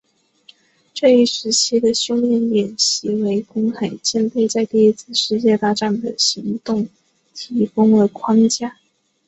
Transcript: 这一时期的训练演习为公海舰队在第一次世界大战的行动提供了框架。